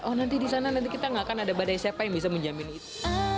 oh nanti di sana nanti kita nggak akan ada badai siapa yang bisa menjamin itu